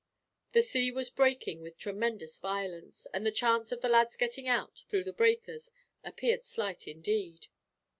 The sea was breaking with tremendous violence, and the chance of the lad's getting out, through the breakers, appeared slight, indeed.